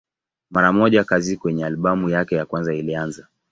Mara moja kazi kwenye albamu yake ya kwanza ilianza.